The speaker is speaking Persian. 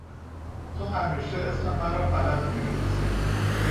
تو همیشه اسم مرا غلط می نویسی!